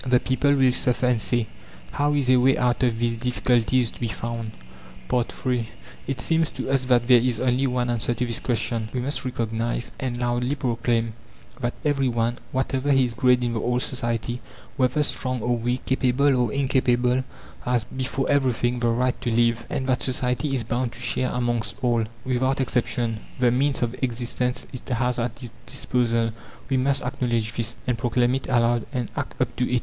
The people will suffer and say: "How is a way out of these difficulties to be found?" III It seems to us that there is only one answer to this question: We must recognize, and loudly proclaim, that every one, whatever his grade in the old society, whether strong or weak, capable or incapable, has, before everything, THE RIGHT TO LIVE, and that society is bound to share amongst all, without exception, the means of existence it has at its disposal. We must acknowledge this, and proclaim it aloud, and act up to it.